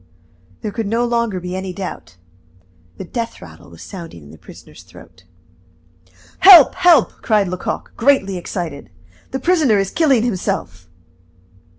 There could no longer be any doubt. The death rattle was sounding in the prisoner's throat. "Help! help!" cried Lecoq, greatly excited. "The prisoner is killing himself!"